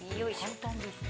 ◆簡単ですね。